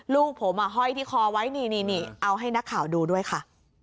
ลูกผมห้อยที่คอไว้นี่เอาให้นักข่าวดูด้วยค่ะ